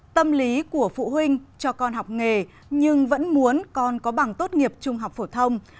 tâm lý của phụ huynh cho con học nghề nhưng vẫn muốn con có bằng tốt nghiệp trung học phổ thông